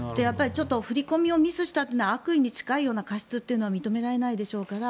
振り込みをミスしたというのは悪意に近いような過失は認められないでしょうから